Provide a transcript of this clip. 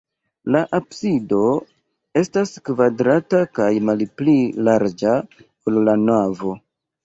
La absido estas kvadrata kaj malpli larĝa, ol la navo.